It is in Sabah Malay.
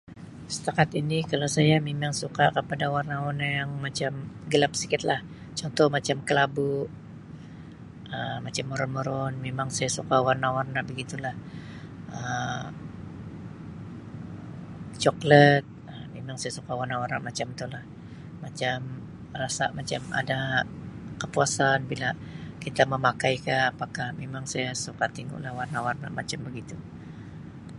Setakat ini kalau saya memang suka kepada warna-warna yang macam gelap sikitlah. Contoh macam kelabu, Um macam maroon-maroon memang saya suka warna-warna begitulah, Um coklat Um memang saya suka warna-warna macam tulah. Macam rasa macam ada kepuasan bila kita memakai ka apakah, memang saya suka tingulah warna-warna macam begitu.